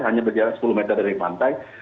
hanya berjalan sepuluh meter dari pantai